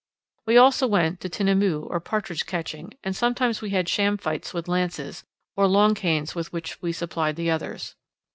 We also went tinamou, or partridge, catching, and sometimes we had sham fights with lances, or long canes with which we supplied the others.